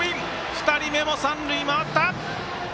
２人目も三塁回った！